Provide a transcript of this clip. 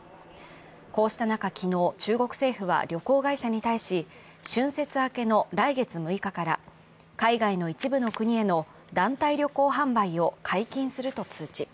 こうした中、昨日、中国政府は旅行会社に対し春節明けの来月６日から海外の一部の国への団体旅行販売を解禁すると通知。